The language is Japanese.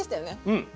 うん。